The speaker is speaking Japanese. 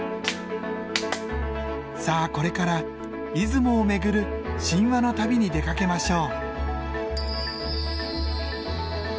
さあこれから出雲を巡る神話の旅に出かけましょう。